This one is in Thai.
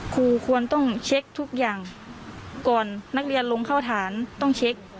ควรต้องเช็คทุกอย่างก่อนนักเรียนลงเข้าฐานต้องเช็ค